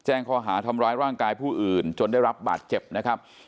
ข้อหาทำร้ายร่างกายผู้อื่นจนได้รับบาดเจ็บนะครับ